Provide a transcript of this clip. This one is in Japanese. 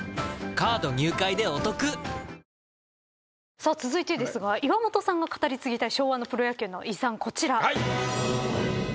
さあ続いてですが岩本さんが語り継ぎたい昭和のプロ野球の遺産こちら。